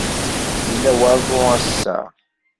Yella waḍu ass-a.